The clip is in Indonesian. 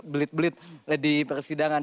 belit belit di persidangan